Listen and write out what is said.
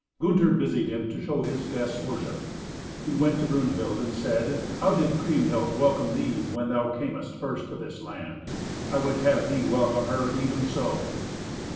Gunther busied him to show his guests worship. He went to Brunhild and said, "How did Kriemhild welcome thee when thou camest first to this land? I would have thee welcome her even so."